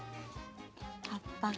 葉っぱが。